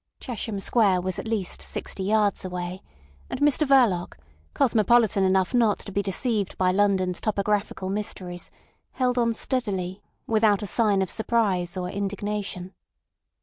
Chesham Square was at least sixty yards away, and Mr Verloc, cosmopolitan enough not to be deceived by London's topographical mysteries, held on steadily, without a sign of surprise or indignation.